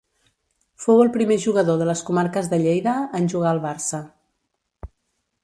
Fou el primer jugador de les comarques de Lleida en jugar al Barça.